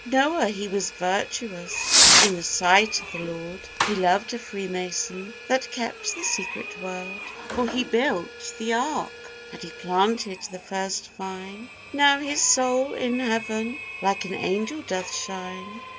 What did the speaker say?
Noah he was virtuous in the sight of the Lord, He loved a freemason that kept the secret word; For he built the ark, and he planted the first vine, Now his soul in heaven like an angel doth shine.